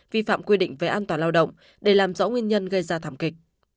vi phạm quy định về an toàn lao động để làm rõ nguyên nhân gây ra thảm kịch